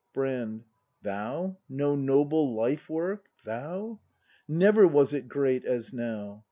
Brand. Thou no noble life work! Thou! Never was it great as now.